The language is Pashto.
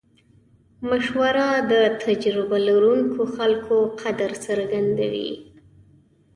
مشوره د تجربه لرونکو خلکو قدر څرګندوي.